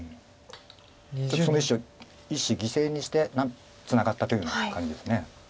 その石を１子犠牲にしてツナがったというような感じです。